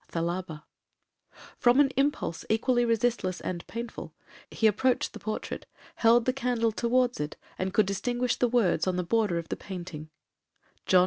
'—THALABA. From an impulse equally resistless and painful, he approached the portrait, held the candle towards it, and could distinguish the words on the border of the painting,—Jno.